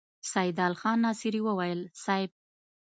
سيدال خان ناصري وويل: صېب!